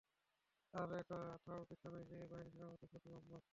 আর একথাও মিথ্যা নয় যে, এ বাহিনীর সেনাপতি খোদ মুহাম্মাদ।